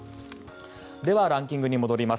ではランキングに戻ります。